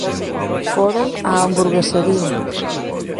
Foron á hamburguesería.